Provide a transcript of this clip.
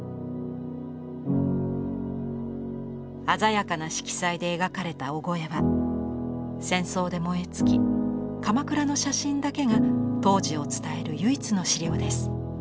鮮やかな色彩で描かれた「御後絵」は戦争で燃え尽き鎌倉の写真だけが当時を伝える唯一の資料です。